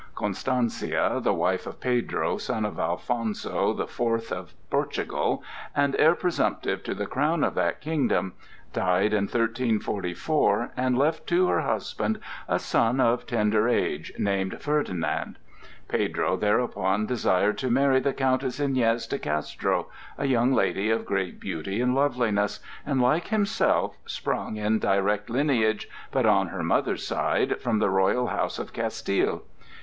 Constancia, the wife of Pedro, son of Alfonso the Fourth of Portugal, and heir presumptive to the crown of that kingdom, died in 1344, and left to her husband a son of tender age, named Ferdinand. Pedro thereupon desired to marry the countess Iñez de Castro, a young lady of great beauty and loveliness, and, like himself, sprung in direct lineage, but on her mother's side, from the royal house of Castile.